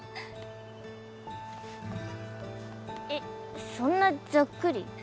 えっそんなざっくり？